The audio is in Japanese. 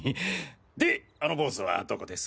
であのボウズはどこです？